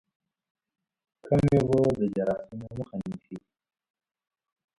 کمې اوبه د جراثیمو مخه نیسي.